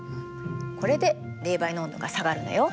これで冷媒の温度が下がるのよ。